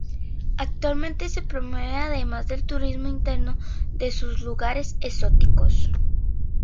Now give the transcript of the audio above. Actualmente se promueve además el turismo interno, de sus lugares exóticos.